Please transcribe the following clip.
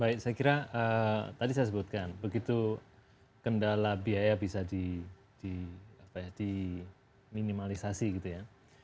baik saya kira tadi saya sebutkan begitu kendala biaya bisa diminimalisasi gitu ya